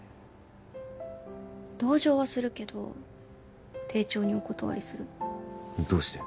同情はするけど丁重にお断りするどうして？